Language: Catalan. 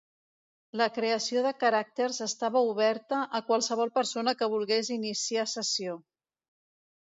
La creació de caràcters estava oberta a qualsevol persona que volgués iniciar sessió.